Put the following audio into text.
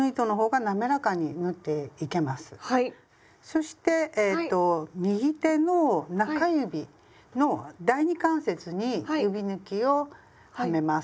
そしてえっと右手の中指の第二関節に指ぬきをはめます。